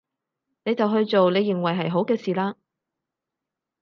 你就去做你認為係好嘅事啦